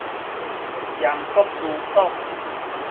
尖閣諸島